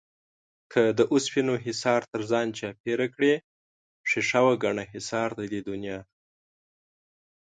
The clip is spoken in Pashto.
که د اوسپنو حِصار تر ځان چاپېر کړې ښيښه وگڼه حِصار د دې دنيا